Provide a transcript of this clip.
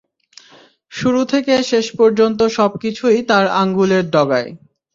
শুরু থেকে শেষ পর্যন্ত সবকিছুই তার আঙ্গুলের ডগায়।